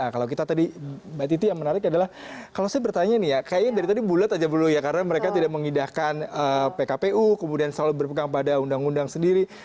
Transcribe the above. kalau kita tadi mbak titi yang menarik adalah kalau saya bertanya nih ya kayaknya dari tadi bulat aja dulu ya karena mereka tidak mengindahkan pkpu kemudian selalu berpegang pada undang undang sendiri